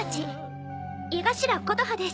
井頭琴葉です。